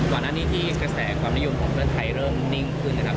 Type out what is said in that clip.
ก่อนหน้านี้ที่กระแสความนิยมของเพื่อไทยเริ่มนิ่งขึ้นนะครับ